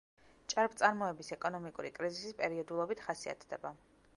ჭარბწარმოების ეკონომიკური კრიზისი პერიოდულობით ხასიათდება.